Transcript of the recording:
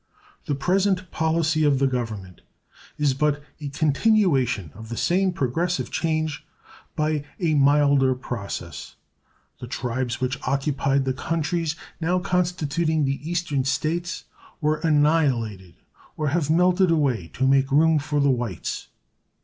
The present policy of the Government is but a continuation of the same progressive change by a milder process. The tribes which occupied the countries now constituting the Eastern States were annihilated or have melted away to make room for the whites.